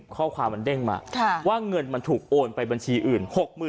ข้อความมันเด้งมาว่าเงินมันถูกโอนไปบัญชีอื่น